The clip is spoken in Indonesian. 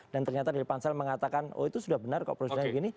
dan ternyata dari pansal mengatakan oh itu sudah benar kok perjalanannya begini